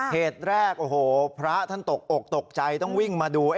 เหตุแรกโอ้โหพระท่านตกอกตกใจต้องวิ่งมาดู